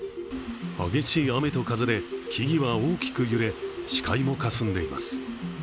激しい雨と風で木々は大きく揺れ視界もかすんでいます。